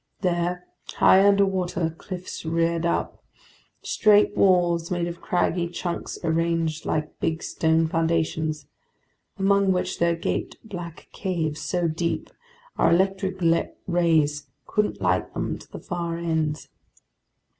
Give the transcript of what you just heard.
There high underwater cliffs reared up, straight walls made of craggy chunks arranged like big stone foundations, among which there gaped black caves so deep our electric rays couldn't light them to the far ends.